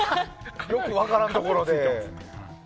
よく分からんところで。